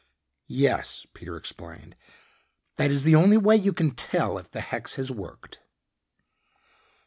"Yes," Peter explained, "That is the only way you can tell if the hex has worked."